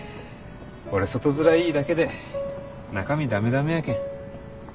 俺外づらいいだけで中身駄目駄目やけん。